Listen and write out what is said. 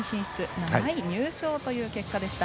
７位入賞という結果でした。